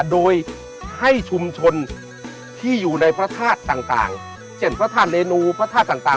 โดยให้ชุมชนที่อยู่ในพระธาตุต่างเช่นพระธาตุเรนูพระธาตุต่าง